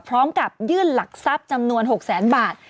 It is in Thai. พร้อมกับยื่นหลักทรัพย์จำนวน๖แสนบาท